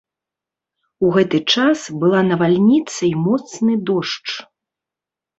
У гэты час была навальніца і моцны дождж.